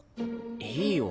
いいよ